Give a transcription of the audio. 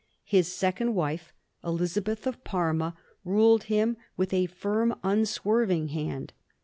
His second wife, Elizabeth of Parma, ruled him with firm, unswerving hand.